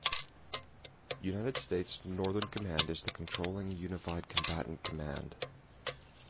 United States Northern Command is the controlling Unified Combatant Command.